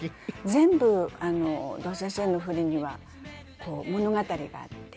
全部土居先生の振りには物語があって。